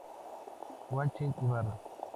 Joachim Ibarra.